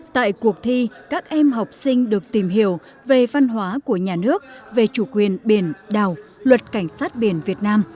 tại cuộc thi các em học sinh được tìm hiểu về văn hóa của nhà nước về chủ quyền biển đảo luật cảnh sát biển việt nam